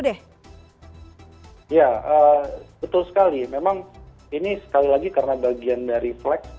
ya betul sekali memang ini sekali lagi karena bagian dari flags